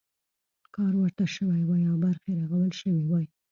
کار ورته شوی وای او برخې رغول شوي وای.